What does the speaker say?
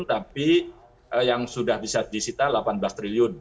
tapi yang sudah bisa disita delapan belas triliun